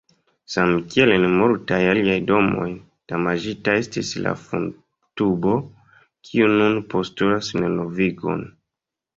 Samkiel en multaj aliaj domoj, damaĝita estis la fumtubo, kiu nun postulas renovigon.